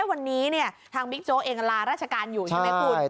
วันนี้ทางบิ๊กโจ๊กเองลาราชการอยู่ใช่ไหมคุณ